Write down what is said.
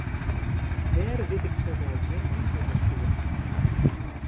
Dêr wit ik sa gau gjin antwurd op te jaan.